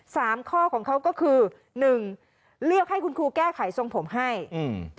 สามข้อของเขาก็คือหนึ่งเลือกให้คุณครูแก้ไขทรงผมให้อืม